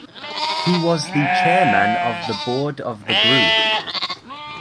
He was the Chairman of the Board of the Group.